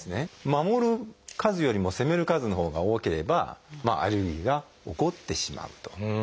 守る数よりも攻める数のほうが多ければアレルギーが起こってしまうと。